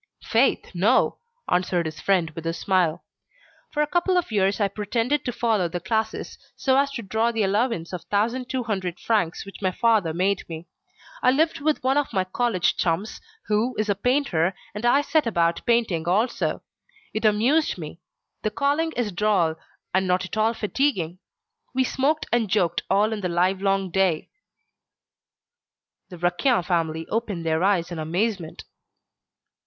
"Faith, no," answered his friend with a smile. "For a couple of years I pretended to follow the classes, so as to draw the allowance of 1,200 francs which my father made me. I lived with one of my college chums, who is a painter, and I set about painting also. It amused me. The calling is droll, and not at all fatiguing. We smoked and joked all the livelong day." The Raquin family opened their eyes in amazement.